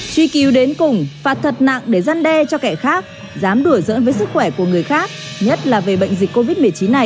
truy cứu đến cùng phạt thật nặng để giăn đe cho kẻ khác dám đùa dỡn với sức khỏe của người khác nhất là về bệnh dịch covid một mươi chín